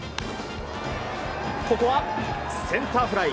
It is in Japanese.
ここはセンターフライ。